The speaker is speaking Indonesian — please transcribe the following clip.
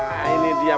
nah ini dia